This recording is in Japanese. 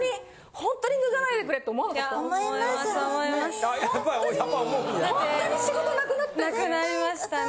ホントに仕事なくなったよね。